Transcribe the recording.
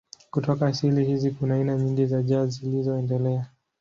Kutoka asili hizi kuna aina nyingi za jazz zilizoendelea.